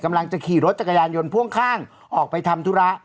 กำลังจะขี่รถจักรยานยนต์พ่วงข้างออกไปทำธุระ